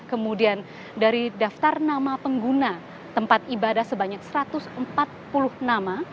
kemudian dari daftar nama pengguna tempat ibadah sebanyak satu ratus empat puluh nama